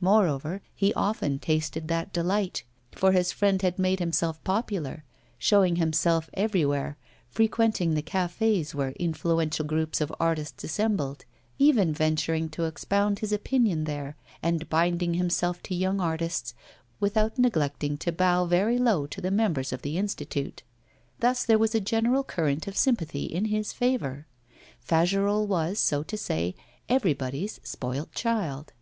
Moreover, he often tasted that delight, for his friend had made himself popular, showing himself everywhere, frequenting the cafés where influential groups of artists assembled, even venturing to expound his opinions there, and binding himself to young artists, without neglecting to bow very low to the members of the Institute. Thus there was a general current of sympathy in his favour. Fagerolles was, so to say, everybody's spoilt child.